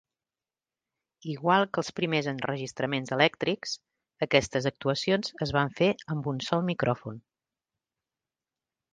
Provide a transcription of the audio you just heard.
Igual que els primers enregistraments elèctrics, aquestes actuacions es van fer amb un sol micròfon.